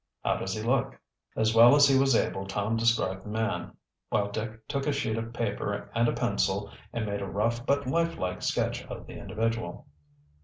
"How does he look?" As well as he was able Tom described the man, while Dick took a sheet of paper and a pencil and made a rough but life like sketch of the individual.